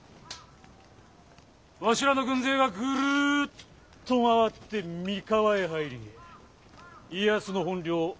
わしらの軍勢がぐるっと回って三河へ入り家康の本領